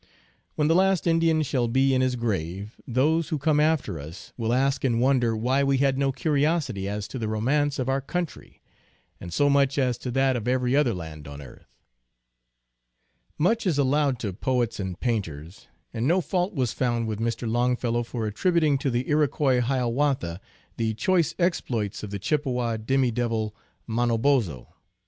When the last Indian shall be in his grave, those who come after us will ask in wonder why we had no curiosity as to the romance of our country, and so much as to that of every other land on earth. 4 INTRODUCTION. Much is allowed to poets and painters, and no fault was found with Mr. Longfellow for attributing to the Iroquois Hiawatha the choice exploits of the Chip pewa demi devil Manobozho.